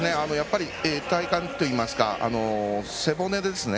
体幹といいますか背骨ですね。